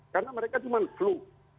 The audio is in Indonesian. karena mereka cuma flu